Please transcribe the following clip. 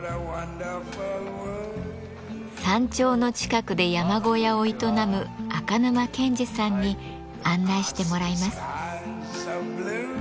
山頂の近くで山小屋を営む赤沼健至さんに案内してもらいます。